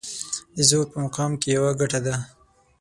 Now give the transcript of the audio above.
د زور په مقام کې يوه ګټه ده.